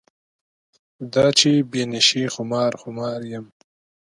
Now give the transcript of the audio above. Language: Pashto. دا چې بې نشې خمار خمار یم.